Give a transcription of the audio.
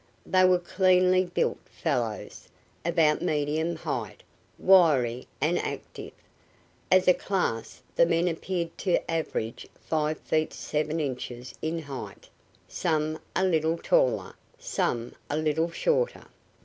They were cleanly built fellows, about medium height, wiry and active. As a class, the men appeared to average five feet seven inches in height, some a little taller, some a little shorter.